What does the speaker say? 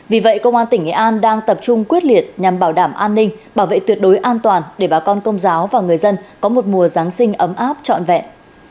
vì vậy công an tỉnh nghệ an đang tập trung quyết liệt nhằm bảo đảm an ninh bảo vệ tuyệt đối an toàn để bà con công giáo và người dân có một mùa giáng sinh ấm áp trọn vẹn